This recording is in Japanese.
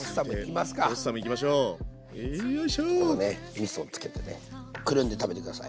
みそをつけてねくるんで食べて下さい。